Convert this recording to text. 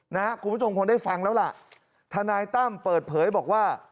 คุณผู้ชมคงได้ฟังแล้วล่ะทนายตั้มเปิดเผยบอกว่า